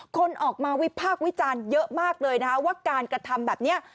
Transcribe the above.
คนออกมาวิภาพวิจาณเยอะมากเลยนะว่าการกระทำแบบเนี้ย